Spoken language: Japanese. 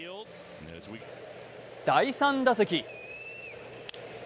第３打席。